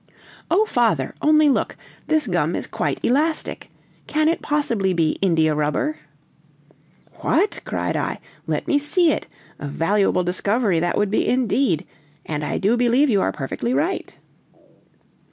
"Oh, father, only look! this gum is quite elastic! Can it possibly be india rubber?" "What!" cried I; "let me see it! a valuable discovery that would be, indeed; and I do believe you are perfectly right!"